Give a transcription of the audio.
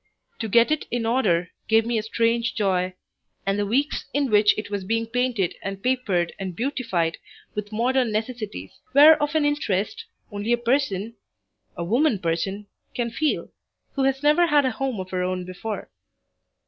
To get it in order gave me strange joy, and the weeks in which it was being painted and papered and beautified with modern necessities were of an interest only a person, a woman person, can feel who has never had a home of her own before.